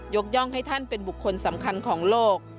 ย่องให้ท่านเป็นบุคคลสำคัญของโลก